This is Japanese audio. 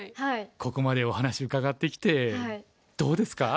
ここまでお話伺ってきてどうですか？